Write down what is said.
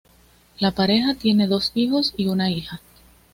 La pareja tiene dos hijos y una hija.